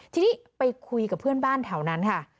ทีนี้ไปคุยกับเพื่อนบ้านแถวนั้นค่ะ